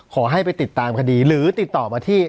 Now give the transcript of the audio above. ขอให้ไปติดตามคดีหรือติดต่อมาที่